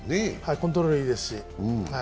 コントロールがいいですし。